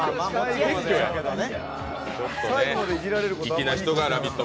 粋な人が「ラヴィット！」